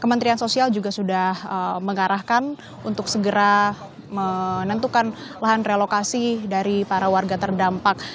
kementerian sosial juga sudah mengarahkan untuk segera menentukan lahan relokasi dari para warga terdampak